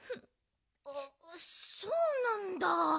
そうなんだ